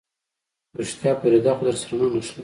رښتيا فريده خو درسره نه نښلي.